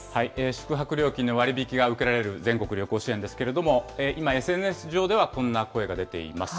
宿泊料金の割引が受けられる全国旅行支援ですけれども、今、ＳＮＳ上ではこんな声が出ています。